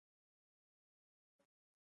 د اوبو سرچینې د افغان کلتور سره تړاو لري.